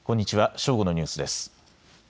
正午のニュースです。